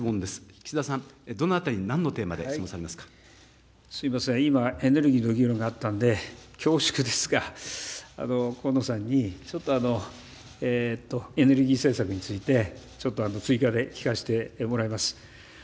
岸田さん、どなたに、なんのテーすみません、今、エネルギーの議論になったんで、恐縮ですが、河野さんにちょっとエネルギー政策について、ちょっと追加で聞かせてもらいます。